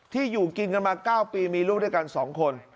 อยู่กินกันมา๙ปีมีลูกด้วยกัน๒คน